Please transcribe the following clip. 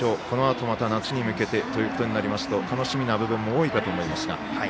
このあと夏に向けてとなりますと楽しみな部分も多いかと思います。